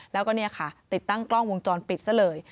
แล้วก็เนี่ยค่ะติดตั้งกล้องวงจรปิดซะเลย